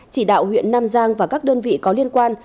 chỉ đạo huyện nam giang và các đơn vị có liên quan